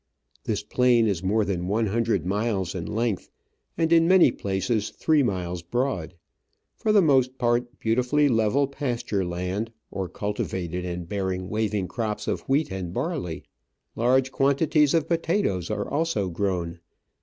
This plain is more than one hundred miles in length, and in many places three miles broad ; for the most part beautifully level pasture land, or cultivated and bearing waving crops of wheat and barley. Large quantities of potatoes are also grown.